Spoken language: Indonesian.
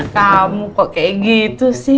kamu kok kayak gitu sih